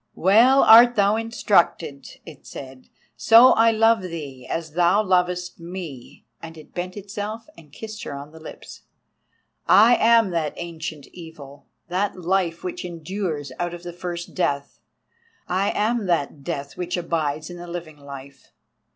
"Well art thou instructed," it said. "So I love thee as thou lovest me," and it bent itself and kissed her on the lips. "I am that Ancient Evil, that Life which endures out of the first death; I am that Death which abides in the living life.